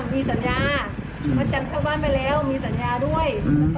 มีสัญญาประจำเข้าบ้านไปแล้วมีสัญญาด้วย